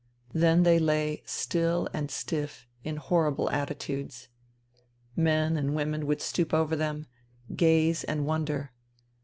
Then they lay still and stiff in horrible attitudes. Men and women would stoop over them, 180 FUTILITY gaze and wonder.